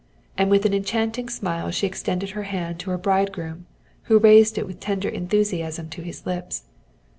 And with an enchanting smile she extended her hand to her bridegroom, who raised it with tender enthusiasm to his lips.